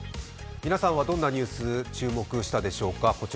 皆さんはどんなニュース、注目したでしょうか。